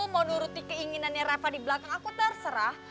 mau nuruti keinginannya reva di belakang aku terserah